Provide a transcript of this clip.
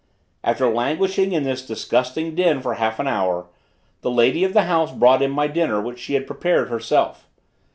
After languishing in this disgusting den for half an hour, the lady of the house brought in my dinner, which she had prepared herself.